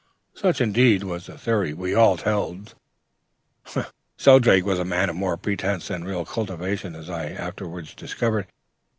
Such, indeed, was the theory we all held.... "Shelldrake was a man of more pretense than real cultivation, as I afterwards discovered.